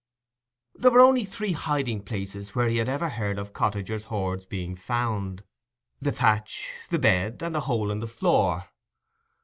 There were only three hiding places where he had ever heard of cottagers' hoards being found: the thatch, the bed, and a hole in the floor.